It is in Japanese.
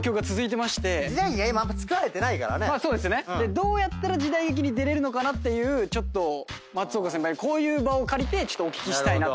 どうやったら時代劇に出れるのかなっていうちょっと松岡先輩にこういう場を借りてお聞きしたいなと思って。